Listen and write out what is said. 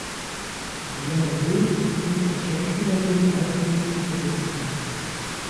Marianne Wulf geriet als Schauspielerin weitgehend in Vergessenheit.